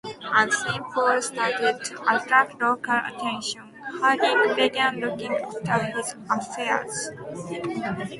As Sean Paul started to attract local attention, Harding began looking after his affairs.